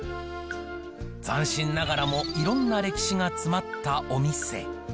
斬新ながらもいろんな歴史が詰まったお店。